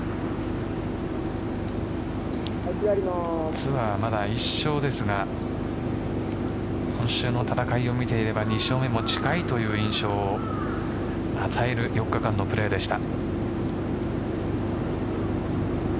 ツアーはまだ一勝ですが今週の戦いを見ていれば２勝目も近いという印象を与える４日間のプレーでした。